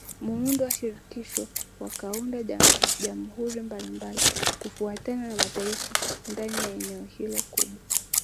muundo wa shirikisho wakaunda jamhuri mbalimbali kufuatana na mataifa ndani ya eneo hilo kubwa